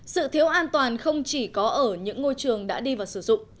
sự thiếu an toàn không chỉ có ở những ngôi trường đã đi vào sử dụng